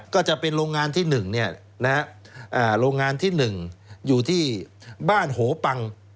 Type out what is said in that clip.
ก็จะเป็นโรงงานที่๑โรงงานที่๑อยู่ที่บ้านโหปัง